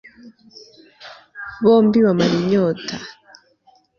bombi bamara inyota